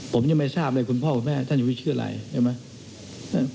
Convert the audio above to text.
ผมยังไม่ทราบเลยคุณพ่อคุณแม่ท่านอยู่ที่ชื่ออะไรใช่ไหม